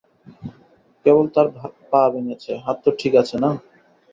কেবল তার পা ভেঙ্গেছে, হাত তো ঠিক আছে না?